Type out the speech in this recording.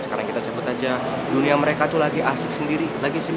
oh kenapa begitu bisa jadi sih